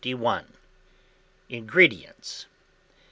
351. INGREDIENTS.